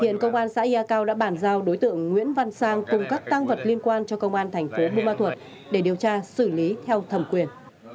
hiện công an xã yà cao đã bản giao đối tượng nguyễn văn sang cùng các tăng vật liên quan cho công an thành phố bùa ba thuột để điều tra xử lý theo thẩm quyền